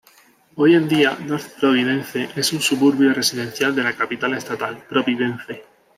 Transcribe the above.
Hoy en día, North Providence es un suburbio residencial de la capital estatal, Providence.